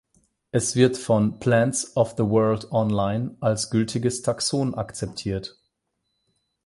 Es wird von "Plants of the World online" als gültiges Taxon akzeptiert.